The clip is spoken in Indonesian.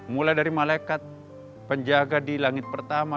mulai dari malaikat penjaga di langit pertama